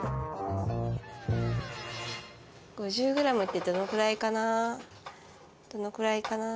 ５０ｇってどのくらいかな？